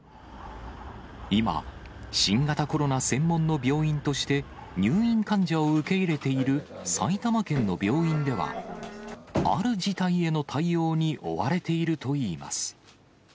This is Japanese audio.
今、新型コロナ専門の病院として、入院患者を受け入れている埼玉県の病院では、ある事態への対応に追われているといいます。